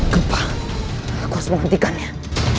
gepa aku harus menghentikannya